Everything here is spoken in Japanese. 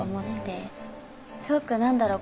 すごく何だろう